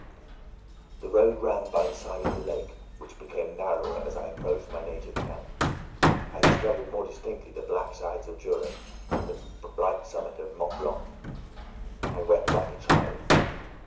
The road ran by the side of the lake, which became narrower as I approached my native town. I discovered more distinctly the black sides of Jura, and the bright summit of Mont Blanc. I wept like a child.